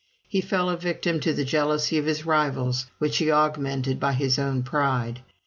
He fell a victim to the jealousy of his rivals, which he augmented by his own pride.